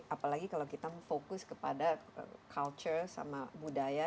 apalagi kalau kita fokus kepada culture sama budaya